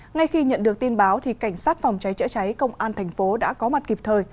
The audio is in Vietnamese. ngay khi nhận được tin báo cảnh sát phòng cháy chữa cháy công an thành phố đã có mặt kịp thời